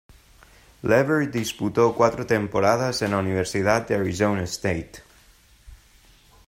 Lever disputó cuatro temporadas en la Universidad de Arizona State.